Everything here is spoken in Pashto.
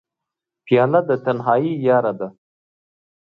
پیاله د تنهایۍ یاره ده.